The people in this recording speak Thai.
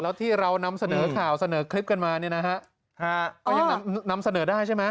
แล้วที่เรานำเสนอข่าวเสนอคลิปกันมานี่นะฮะ